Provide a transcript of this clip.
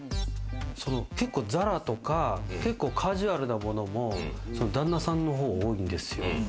結構ＺＡＲＡとかカジュアルなものも旦那さんの方、多いんですよ。